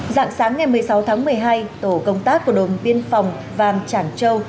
giạng sáng ngày một mươi sáu tháng một mươi hai tổ công tác của đồng biên phòng vàng trảng châu